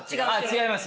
違います。